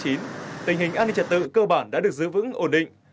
tình hình an ninh trật tự cơ bản đã được giữ vững ổn định